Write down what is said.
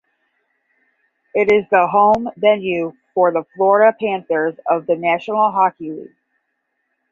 It is the home venue for the Florida Panthers of the National Hockey League.